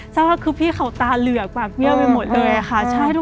ซักวันคือพี่เขาตาเหลือกปากเบี้ยวไปหมดเลยค่ะ